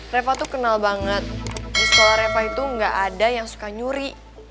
reva tuh kenal banget di sekolah reva itu nggak ada yang suka nyuri